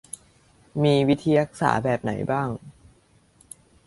มีวิธีรักษาแบบไหนบ้าง